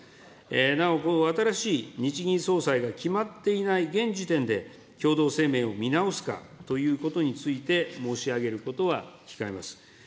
なお、新しい日銀総裁が決まっていない現時点で、共同声明を見直すかということについて申し上げることは控えます。